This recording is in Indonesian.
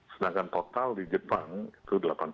sedangkan total di jepang itu delapan puluh